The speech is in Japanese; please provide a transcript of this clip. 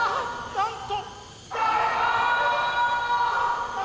なんと。